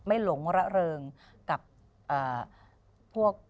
หลงระเริงกับพวก